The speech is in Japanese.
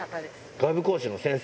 外部講師の先生？